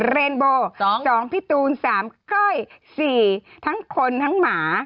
เรนโบ๒พี่ตูน๓ก้อย๔ทั้งคนทั้งหมา